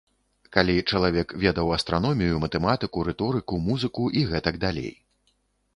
Калі чалавек ведаў астраномію, матэматыку, рыторыку, музыку і гэтак далей.